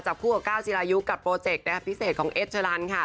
จับคู่กับก้าวจีรายุกับโปรเจกต์พิเศษของเอ็ดเจอรันดร์ค่ะ